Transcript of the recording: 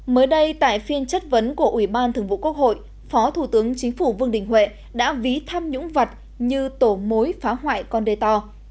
mới đây tại phiên chất vấn của ủy ban thường vụ quốc hội phó thủ tướng chính phủ vương đình huệ đã ví tham nhũng vật như tổ mối phá hoại con đê to